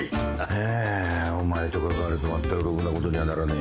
ハァお前と関わるとまったくろくなことにはならねえ。